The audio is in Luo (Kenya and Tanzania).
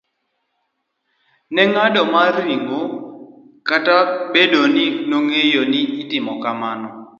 C. ne ong'ado mar ringo kata obedo ni nong'eyo ni timo kamano